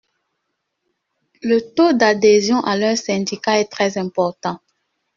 Le taux d’adhésion à leurs syndicats est très important.